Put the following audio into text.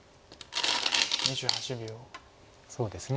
そうですね